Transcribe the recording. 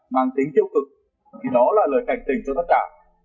mang tính tiêu cực thì đó là lời cảnh tình cho tất cả